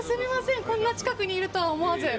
こんな近くにいるとは思わず。